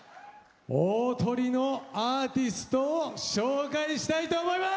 大トリのアーティストを紹介したいと思います！